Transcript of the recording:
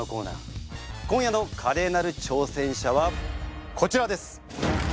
今夜のカレーなる挑戦者はこちらです！